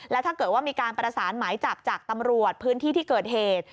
แล้วถ้าเกิดว่ามีการประสานหมายจับจากตำรวจพื้นที่ที่เกิดเหตุ